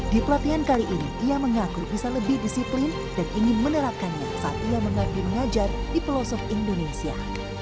di pelatihan kali ini ia mengaku bisa lebih disiplin dan ingin menerapkannya saat ia mengabdi mengajar di pelosok indonesia